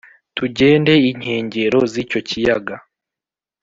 tugende inkengero z’icyo kiyaga